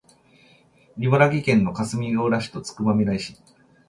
茨城県のかすみがうら市とつくばみらい市